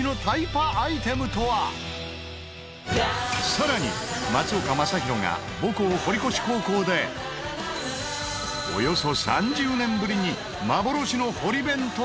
更に松岡昌宏が母校堀越高校でおよそ３０年ぶりに幻の堀弁とご対面！